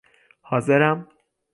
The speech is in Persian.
حاضرم